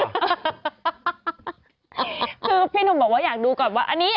คือพี่หนุ่มบอกว่าอยากดูก่อนว่าอันนี้